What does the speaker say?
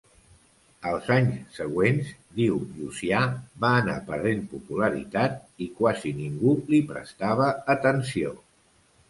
Els anys següents, diu Llucià, va anar perdent popularitat, i quasi ningú li prestava atenció.